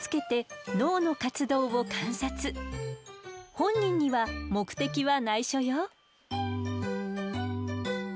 本人には目的はないしょよ。